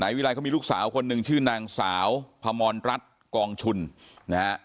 วิรัยเขามีลูกสาวคนหนึ่งชื่อนางสาวพมรรัฐกองชุนนะฮะ